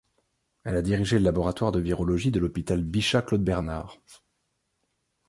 Elle a dirigé le laboratoire de virologie de l'hôpital Bichat-Claude-Bernard.